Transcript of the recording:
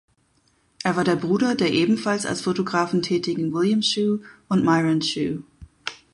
Er war der Bruder der ebenfalls als Fotografen tätigen William Shew und Myron Shew.